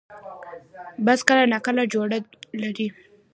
باز کله نا کله جوړه لري